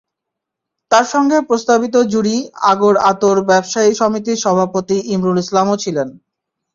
তাঁর সঙ্গে প্রস্তাবিত জুড়ি আগর-আতর ব্যবসায়ী সমিতির সভাপতি ইমরুল ইসলামও ছিলেন।